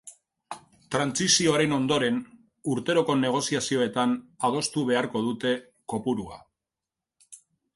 Trantsizioaren ondoren, urteroko negoziazioetan adostu beharko dute kopurua.